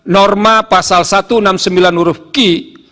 norma pasal satu ratus enam puluh sembilan uruf qi